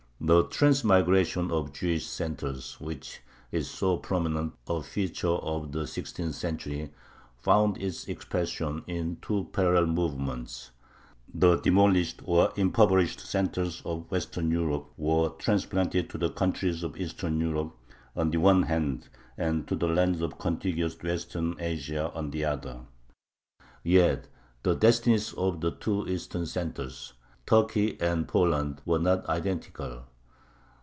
The transmigration of Jewish centers, which is so prominent a feature of the sixteenth century, found its expression in two parallel movements: the demolished or impoverished centers of Western Europe were transplanted to the countries of Eastern Europe on the one hand, and to the lands of contiguous Western Asia on the other. Yet the destinies of the two Eastern centers Turkey and Poland were not identical.